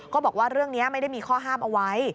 ก็บอกว่าเรื่องนี้ไม่ได้มีข้อห้ามเอาไว้